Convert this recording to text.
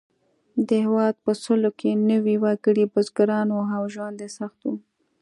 د هېواد په سلو کې نوي وګړي بزګران وو او ژوند یې سخت و.